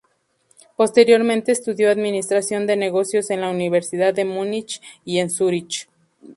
Posteriormente estudió administración de negocios en la Universidad de Múnich y en Zúrich.